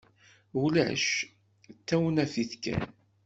Ulac, d tawnafit kan.